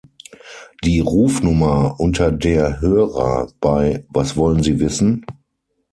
Die Rufnummer, unter der Hörer bei "Was wollen Sie wissen?